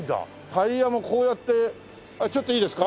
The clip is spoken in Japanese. タイヤもこうやってちょっといいですか？